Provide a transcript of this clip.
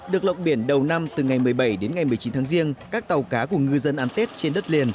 được lộng biển đầu năm từ ngày một mươi bảy đến ngày một mươi chín tháng riêng các tàu cá của ngư dân ăn tết trên đất liền